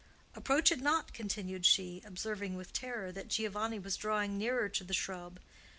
Approach it not!" continued she, observing with terror that Giovanni was drawing nearer to the shrub.